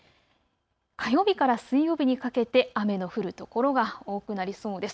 火曜日から水曜日にかけて雨の降る所が多くなりそうです。